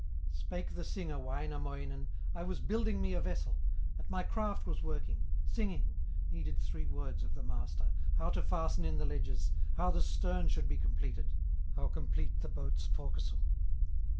Spake the singer, Wainamoinen: "I was building me a vessel, At my craft was working, singing, Needed three words of the Master, How to fasten in the ledges, How the stern should be completed, How complete the boat's forecastle.